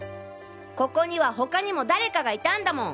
ここには他にも誰かがいたんだもん。